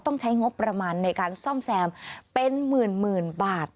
ต้องใช้งบประมาณในการซ่อมแซมเป็นหมื่นบาท